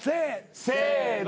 せの。